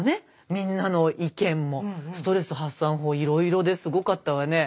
みんなの意見もストレス発散法いろいろですごかったわね。